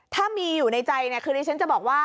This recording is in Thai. ถ้ามีอยู่ในใจเนี่ยคือดิฉันจะบอกว่า